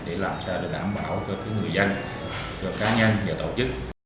để làm sao để đảm bảo cho người dân cho cá nhân và tổ chức